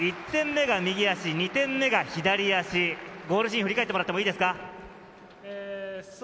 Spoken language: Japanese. １点目が右足、２点目が左足、ゴールシーンを振り返ってもらっていいですか。